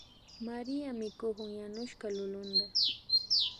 María mikukun yanushka lulunta